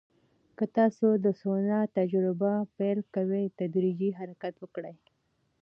که تاسو د سونا تجربه پیل کوئ، تدریجي حرکت وکړئ.